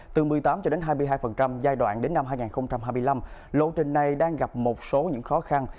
từ một mươi tám cho đến hai mươi hai giai đoạn đến năm hai nghìn hai mươi năm lộ trình này đang gặp một số những khó khăn